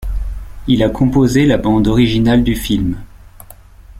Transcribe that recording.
Il a composé la bande originale du film.